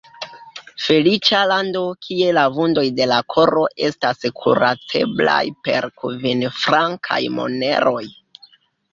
Feliĉa lando, kie la vundoj de la koro estas kuraceblaj per kvin-frankaj moneroj!